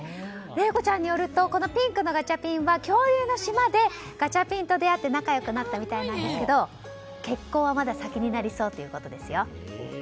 怜子ちゃんによるとこのピンクのガチャピンは恐竜の島でガチャピンと出会って仲良くなったみたいなんですけど結婚はまだ先になりそうということですよ。